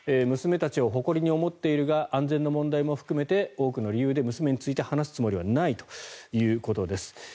娘たちを誇りに思っているが安全の問題も含めて多くの理由で娘について話すつもりはないということです。